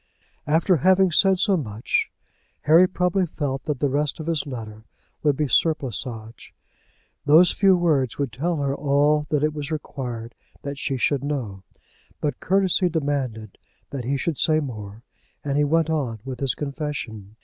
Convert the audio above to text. After having said so much, Harry probably felt that the rest of his letter would be surplusage. Those few words would tell her all that it was required that she should know. But courtesy demanded that he should say more, and he went on with his confession.